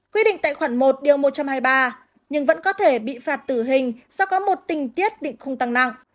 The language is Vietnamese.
quy định tại khoản một một trăm hai mươi ba nhưng vẫn có thể bị phạt tử hình do có một tình tiết định khung tăng nặng